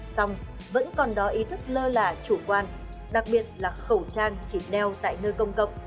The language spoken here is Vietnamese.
xong vẫn còn đó ý thức lơ là chủ quan đặc biệt là khẩu trang chỉ neo tại nơi công cộng